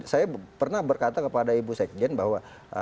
saya pernah berkata kepada ibu sekjen bahwa